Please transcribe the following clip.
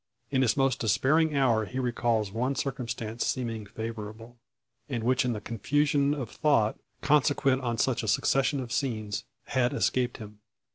In his most despairing hour he recalls one circumstance seeming favourable, and which in the confusion of thought, consequent on such a succession of scenes, had escaped him.